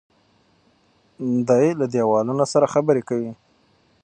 دی له دیوالونو سره خبرې کوي.